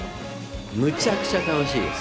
むちゃくちゃ楽しいです。